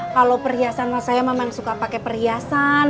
kalau perhiasan saya memang suka pakai perhiasan